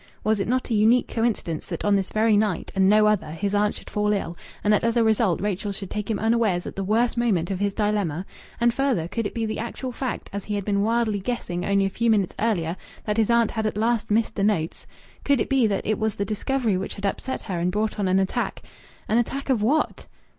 Was it not a unique coincidence that on this very night and no other his aunt should fall ill, and that as a result Rachel should take him unawares at the worst moment of his dilemma? And further, could it be the actual fact, as he had been wildly guessing only a few minutes earlier, that his aunt had at last missed the notes? Could it be that it was this discovery which had upset her and brought on an attack?... An attack of what?